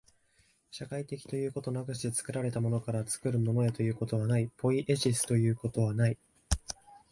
社会的ということなくして、作られたものから作るものへということはない、ポイエシスということはない。